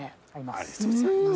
ありがとうございます。